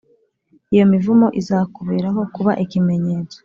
Iyo mivumo izakuberaho kuba ibimenyetso